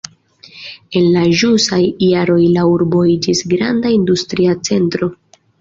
En la ĵusaj jaroj la urbo iĝis granda industria centro.